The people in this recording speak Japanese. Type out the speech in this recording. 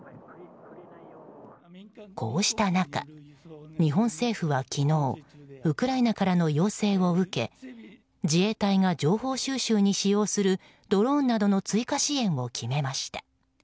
こうした中、日本政府は昨日ウクライナからの要請を受け自衛隊が情報収集に使用するドローンなどの追加支援を決めました。